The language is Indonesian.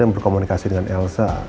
yang berkomunikasi dengan elsa